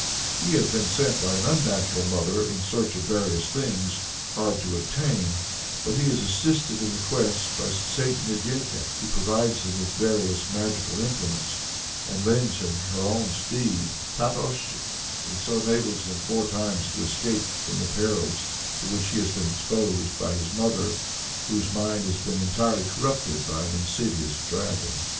He has been sent by an unnatural mother in search of various things hard to be obtained, but he is assisted in the quest by St. Nedĕlka, who provides him with various magical implements, and lends him her own steed Tatoschik, and so enables him four times to escape from the perils to which he has been exposed by his mother, whose mind has been entirely corrupted by an insidious dragon.